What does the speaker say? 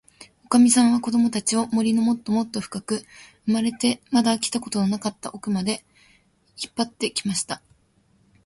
おかみさんは、こどもたちを、森のもっともっとふかく、生まれてまだ来たことのなかったおくまで、引っぱって行きました。